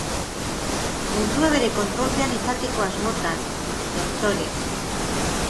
Mundua bere kontrolpean izateko asmotan, Dr.